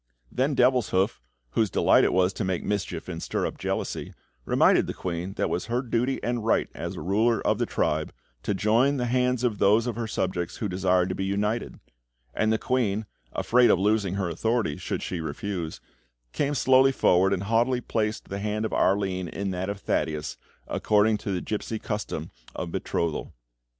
Then Devilshoof, whose delight it was to make mischief and stir up jealousy, reminded the queen that it was her duty and right as a ruler of the tribe to join the hands of those of her subjects who desired to be united; and the queen, afraid of losing her authority should she refuse, came slowly forward, and haughtily placed the hand of Arline in that of Thaddeus, according to the gipsy custom of betrothal.